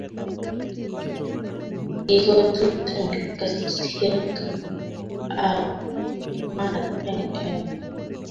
KikoTuten kasisihek ab maat en emt